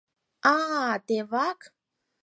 А-а, тевак!